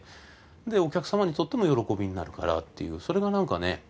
お客様にとっても喜びになるからっていうそれがなんかね